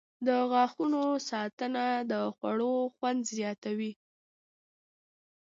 • د غاښونو ساتنه د خوړو خوند زیاتوي.